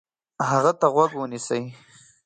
هغه ته غوږ ونیسئ،